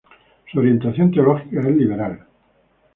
Su orientación teológica es liberal.